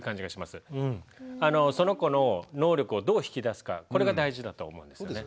その子の能力をどう引き出すかこれが大事だと思うんですよね。